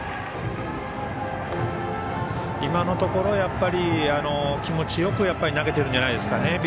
今のところ、気持ちよく投げているんじゃないんですかね。